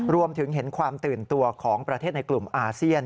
รวมถึงเห็นความตื่นตัวของประเทศในกลุ่มอาเซียน